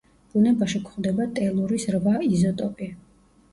ბუნებაში გვხვდება ტელურის რვა იზოტოპი.